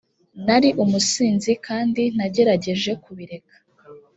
nari umusinzi kandi nagerageje kubireka